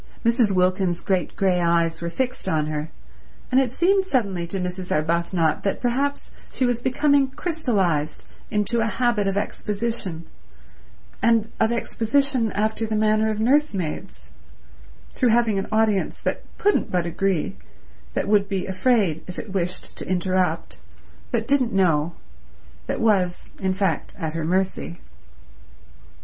Mrs. Wilkins's great grey eyes were fixed on her, and it seemed suddenly to Mrs. Arbuthnot that perhaps she was becoming crystallized into a habit of exposition, and of exposition after the manner of nursemaids, through having an audience that couldn't but agree, that would be afraid, if it wished, to interrupt, that didn't know, that was, in fact, at her mercy.